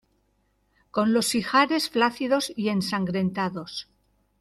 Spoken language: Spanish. con los ijares flácidos y ensangrentados